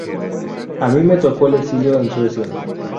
A mí me tocó el exilio en Suecia.